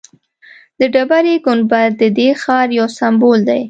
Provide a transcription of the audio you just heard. د ډبرې ګنبد ددې ښار یو سمبول دی.